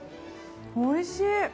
おいしい！